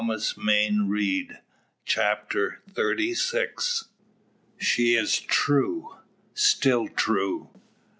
"Sime Woodsy!" CHAPTER THIRTY SIX. "SHE IS TRUE STILL TRUE!"